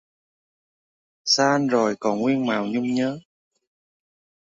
Xa anh rồi còn nguyên màu nhung nhớ